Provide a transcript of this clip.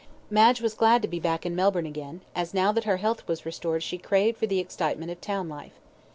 Madge was glad to be back in Melbourne again, as now that her health was restored she craved for the excitement of town life.